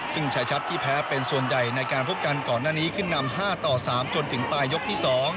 ซึ่งชายชัดที่แพ้เป็นส่วนใหญ่ในการพบกันก่อนหน้านี้ขึ้นนำ๕ต่อ๓จนถึงปลายยกที่๒